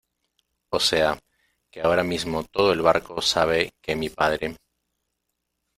o sea, que ahora mismo todo el barco sabe que mi padre